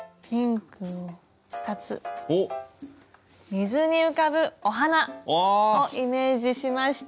水に浮かぶお花をイメージしました。